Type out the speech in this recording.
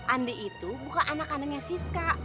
andi itu bukan anak anaknya siska